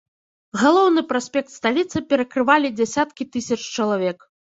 Галоўны праспект сталіцы перакрывалі дзясяткі тысяч чалавек.